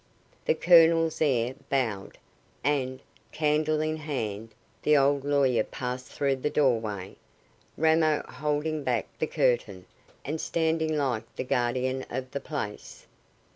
The Colonel's heir bowed, and, candle in hand, the old lawyer passed through the doorway, Ramo holding back the curtain, and standing like the guardian of the place.